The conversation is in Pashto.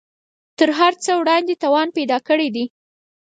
تر هر څه وړاندې توان پیدا کړی دی